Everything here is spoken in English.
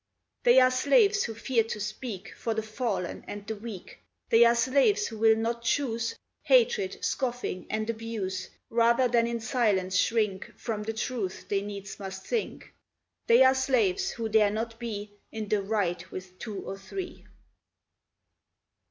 They are slaves who fear to speak For the fallen and the weak, They are slaves who will not choose Hatred, scoffing, and abuse, Rather than in silence shrink From the truth they needs must think; They are slaves who dare not be In the right with two or three.